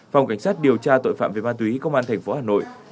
phòng cảnh sát điều tra tội phạm về ma túy công an tp hà nội